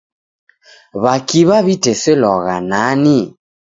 W'akiw'a w'iteselwagha nani?